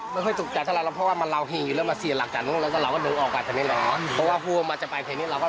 มันไม่ถูกใจเท่าไหร่เพราะว่ามันเหล่าหินอยู่แล้วมันเสียหลักจากนู้นแล้วเราก็เดินออกไปแถวนี้แหละ